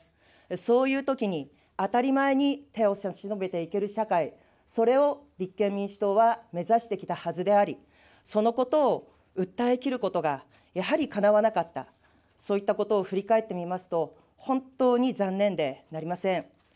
そういうときに当たり前に手を差し伸べていける社会、それを立憲民主党は目指してきたはずであり、そのことを訴えきることがやはりかなわなかった、そういったことを振り返ってみますと、本当に残念でなりません。